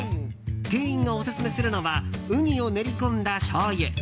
店員がオススメするのはウニを練り込んだしょうゆ。